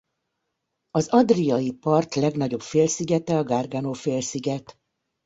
Az adriai part legnagyobb félszigete a Gargano-félsziget.